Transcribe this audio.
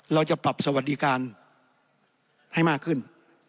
เราจะปรับสวัสดิการให้มากขึ้น